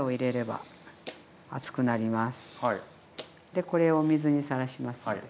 でこれをお水にさらしますので。